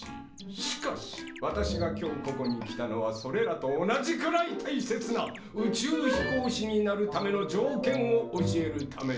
しかし私が今日ここに来たのはそれらと同じくらいたいせつな宇宙飛行士になるための条件を教えるためです。